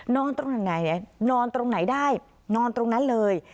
นอนตรงไหนเนี่ยนอนตรงไหนได้นอนตรงนั้นเลย